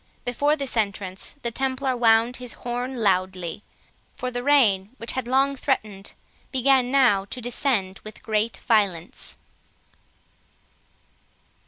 Before this entrance the Templar wound his horn loudly; for the rain, which had long threatened, began now to descend with great violence.